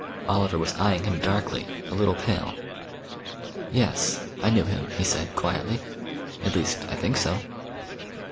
Oliver was eyeing him darkly, a little pale. "Yes; I knew him," he said quietly. "At least, I think so."